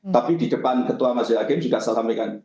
tapi di depan ketua mas yudhakim juga saya sampaikan